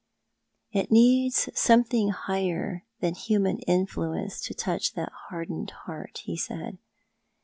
" It needs something higher than human influence to touch that hardened heart," he said.